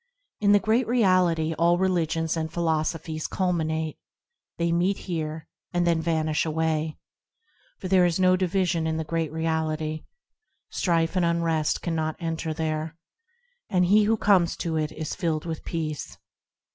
In the Great Reality all religions and philosophies culminate, They meet here, and then vanish away, For there is no division in the Great Reality, Strife and unrest cannot enter there, And he who comes to it is filled with peace.